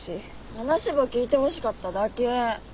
話ば聞いてほしかっただけ。